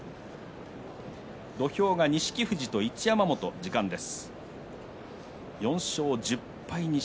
土俵が錦富士と一山本時間です。